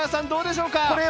どうでしょうか？